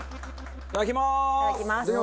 いただきます。